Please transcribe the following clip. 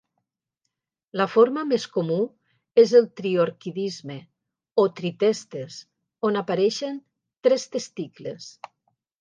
La forma més comú és el triorquidisme, o tritestes, on apareixen tres testicles.